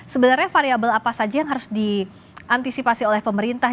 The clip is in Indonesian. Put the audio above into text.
sebenarnya variable apa saja yang harus diantisipasi oleh pemerintah